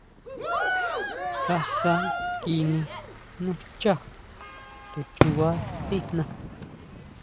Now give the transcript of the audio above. Sasa kini nú xchá, to chuba tijna.